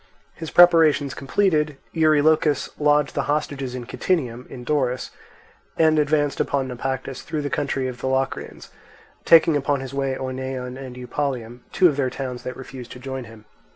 His preparations completed, Eurylochus lodged the hostages in Kytinium, in Doris, and advanced upon Naupactus through the country of the Locrians, taking upon his way Oeneon and Eupalium, two of their towns that refused to join him.